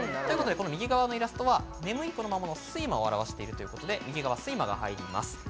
右側のイラストは睡魔を表しているということで、睡魔が入ります。